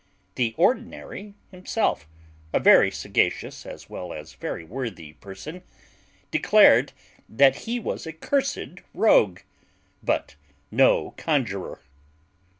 The ordinary himself, a very sagacious as well as very worthy person, declared that he was a cursed rogue, but no conjuror.